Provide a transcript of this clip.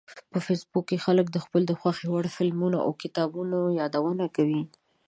په فېسبوک کې خلک د خپلو خوښې وړ فلمونو او کتابونو یادونه کوي